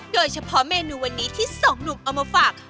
โดยเฉพาะเมนูวันนี้ที่สองหนุ่มเอามาฝาก